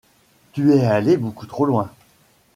Tu es allé beaucoup trop loin.